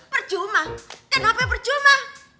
percuma kenapa percuma